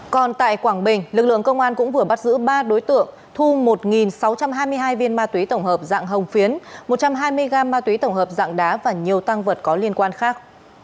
còn tại quảng bình lực lượng công an cũng vừa bắt giữ ba đối tượng thu một sáu trăm hai mươi hai viên ma túy tổng hợp dạng hồng phiến một trăm hai mươi g ma túy tổng hợp dạng đá và nhiều tăng vật có liên quan khác